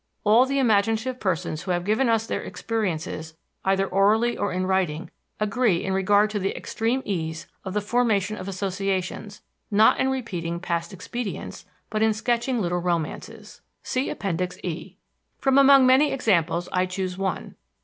All the imaginative persons who have given us their experiences either orally or in writing agree in regard to the extreme ease of the formation of associations, not in repeating past expedience, but in sketching little romances. From among many examples I choose one.